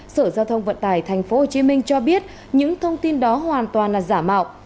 sở giao thông vận tải tp hcm cho biết những thông tin đó hoàn toàn là giả mạo